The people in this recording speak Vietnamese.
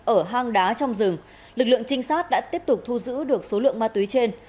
ở hang đá trong rừng lực lượng trinh sát đã tiếp tục thu giữ được số lượng ma túy trên